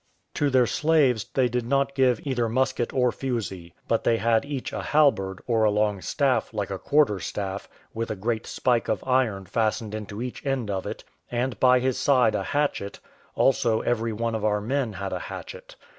To their slaves they did not give either musket or fusee; but they had each a halberd, or a long staff, like a quarter staff, with a great spike of iron fastened into each end of it, and by his side a hatchet; also every one of our men had a hatchet.